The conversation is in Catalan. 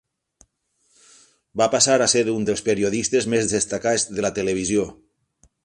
Va passar a ser "un dels periodistes més destacats de la televisió.